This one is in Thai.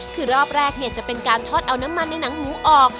คือรอบแรกจะเป็นการทอดเอาน้ำมันในหนังหมูออก